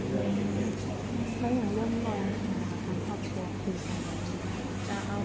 ไม่มีแม่น้ำคลุกก็ไม่มีแม่น้ำธิว